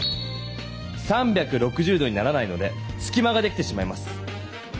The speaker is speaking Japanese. ３６０度にならないのですきまができてしまいます。